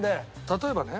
例えばね。